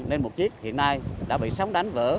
nên một chiếc hiện nay đã bị sóng đánh vỡ